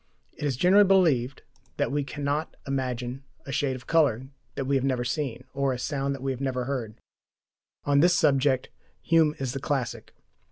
It is generally believed that we cannot imagine a shade of colour that we have never seen, or a sound that we have never heard. On this subject Hume is the classic.